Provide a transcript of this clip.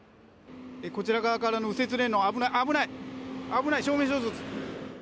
こちら側からの右折レーンの、危ない、危ない、危ない、正面衝突。